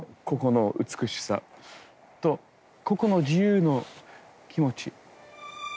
ここの美しさとここの自由の気持ち。